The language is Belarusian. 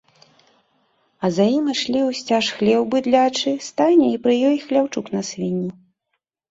А за ім ішлі ўсцяж хлеў быдлячы, стайня і пры ёй хляўчук на свінні.